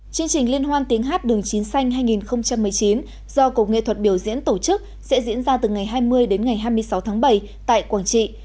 chương trình liên hoan tiếng hát đường chín xanh hai nghìn một mươi chín do cục nghệ thuật biểu diễn tổ chức sẽ diễn ra từ ngày hai mươi đến ngày hai mươi sáu tháng bảy tại quảng trị